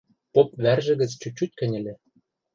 Поп вӓржӹ гӹц чуть-чуть кӹньӹльӹ.